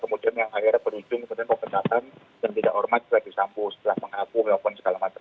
kemudian yang akhirnya berujung kemudian pemecatan yang tidak hormat sudah disambu setelah mengaku maupun segala macam